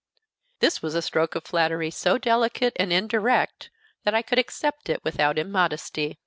This was a stroke of flattery so delicate and indirect that I could accept it without immodesty.